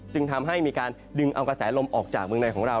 จึงทำให้มีการดึงเอากระแสลมออกจากเมืองในของเรา